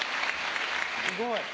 すごい。